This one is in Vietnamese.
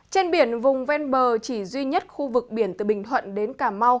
trên biển vùng ven bờ chỉ duy nhất khu vực biển từ bình thuận đến cà mau